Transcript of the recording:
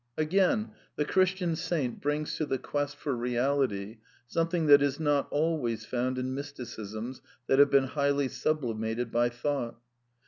Again, the Christian saint brings to the quest for Eeality something that is not always found in mysticisms that have been highly sublimated by thought.